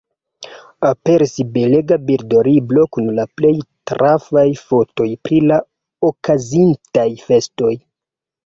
Aperis belega bildlibro kun la plej trafaj fotoj pri la okazintaj festoj.